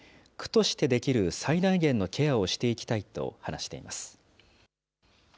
区としてできる最大限のケアをしていきたいと話しています。